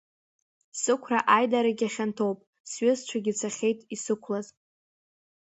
Сықәра аидарагьы хьанҭоуп, сҩызцәагьы цахьеит исықәлаз.